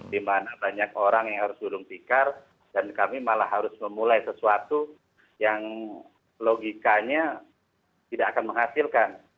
di mana banyak orang yang harus gulung tikar dan kami malah harus memulai sesuatu yang logikanya tidak akan menghasilkan